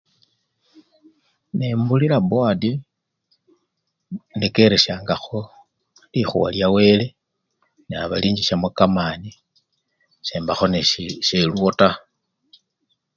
Nembulila bowadi, ndekereshangakho likhuwa lyawele naba linchishamo kamani sembakho nene siluwo taa.